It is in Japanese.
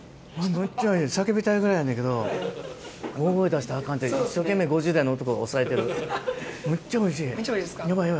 叫びたいぐらいやねんけど大声出したらアカンて一生懸命５０代の男が抑えてるむっちゃおいしいヤバい。